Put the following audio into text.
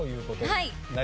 はい。